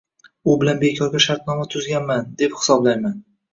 u bilan bekorga shartnoma tuzganman, deb hisoblayman.